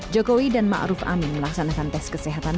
jokowi dan ma'ruf amin melaksanakan tes kesehatan